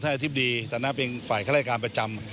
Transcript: ถ้าแฮทีปดีศ์ในฝ่ายคล้ายการประจำ